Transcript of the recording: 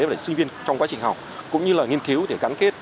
và để sinh viên trong quá trình học cũng như là nghiên cứu để gắn kết